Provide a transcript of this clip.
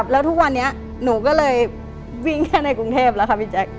แล้วทุกวันนี้หนูก็เลยวิ่งแค่ในกรุงเทพแล้วค่ะพี่แจ๊ค